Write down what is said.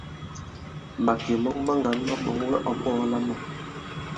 Màkè mɔŋ maŋgǎn ma ɓɔ̌ŋ wɛ ɔ̌ ɓɔ̄ɔla mâm.